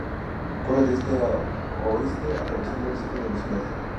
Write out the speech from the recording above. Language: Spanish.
Corre de este a oeste atravesando el centro de la ciudad.